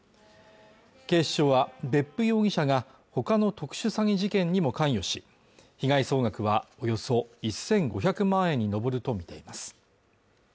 警視庁は別府容疑者がほかの特殊詐欺事件にも関与し被害総額はおよそ１５００万円に上るとみています